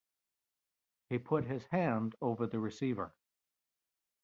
He put his hand over the receiver.